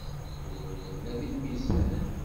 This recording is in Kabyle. Yuba yerna deg lmizan.